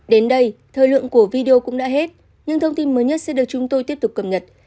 đến đây thời lượng của video cũng đã hết nhưng thông tin mới nhất sẽ được chúng tôi tiếp tục cập nhật